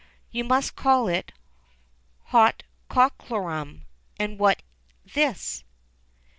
"You must call it 'hot cockalorum,' and what this.?"